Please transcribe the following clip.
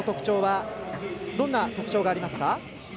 どんな特徴がありますか？